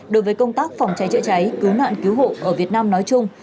đối với công tác phòng cháy chữa cháy cứu nạn cứu hộ ở việt nam nói chung